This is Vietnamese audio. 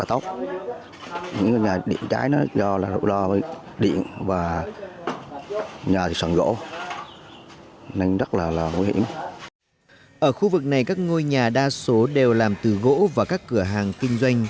ở khu vực này các ngôi nhà đa số đều làm từ gỗ và các cửa hàng kinh doanh